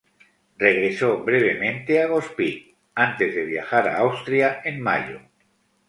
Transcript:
Regresó brevemente a Gospić antes de viajar a Austria en mayo.